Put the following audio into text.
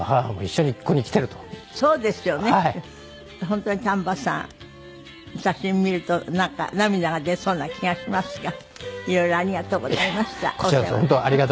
本当に丹波さん写真見るとなんか涙が出そうな気がしますが。